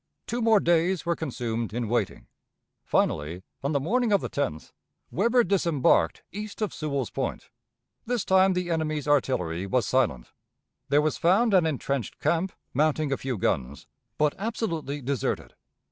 Two more days were consumed in waiting. Finally, on the morning of the 10th, Weber disembarked east of Sewell's Point. This time the enemy's artillery was silent. There was found an intrenched camp mounting a few guns, but absolutely deserted.